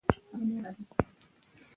دویم دلیل د پښتو ادبیاتو تشه ده.